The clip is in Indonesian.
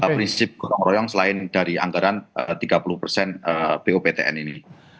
prinsip kotong royong selain dari antaran tiga puluh poptn ini